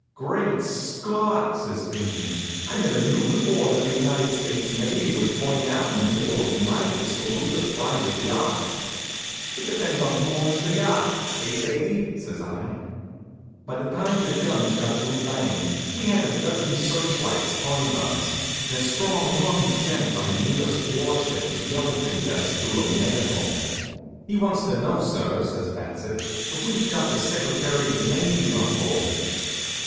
"Great Scott!" says Pinckney, "I never knew before that the United States navy would turn out in the middle of the night to salute a private yacht." "It depends on who owns the yacht. Eh, Sadie?" says I. By the time the guns got through bangin' we had a dozen search lights turned on us, and a strong lunged gent on the nearest warship was yellin' things at us through a megaphone. "He wants to know, sir," says Bassett, "if we've got the Secretary of the Navy on board."